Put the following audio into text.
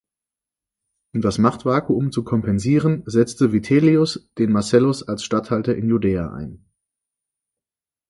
Um das Machtvakuum zu kompensieren, setzte Vitellius den Marcellus als Statthalter in Judäa ein.